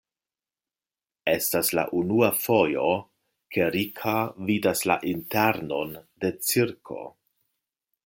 Estas la unua fojo, ke Rika vidas la internon de cirko.